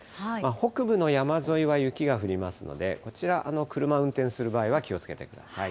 北部の山沿いは雪が降りますので、こちら、車運転する場合は気をつけてください。